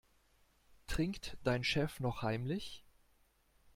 Trinkt dein Chef noch heimlich?